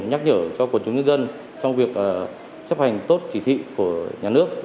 nhắc nhở cho quần chúng nhân dân trong việc chấp hành tốt chỉ thị của nhà nước